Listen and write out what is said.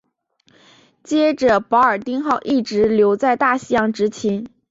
接着保尔丁号一直留在大西洋执勤。